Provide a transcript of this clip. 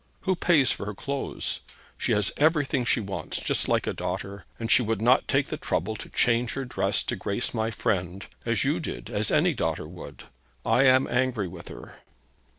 Who pays for her clothes? She has everything she wants, just as a daughter, and she would not take the trouble to change her dress to grace my friend, as you did, as any daughter would! I am angry with her.'